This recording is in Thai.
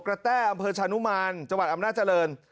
แต้อำเภอชานุมานจังหวัดอำนาจริง